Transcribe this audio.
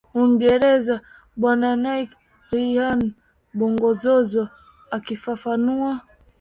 Uingereza Bwana Nick Reynald Bongozozo akifafanua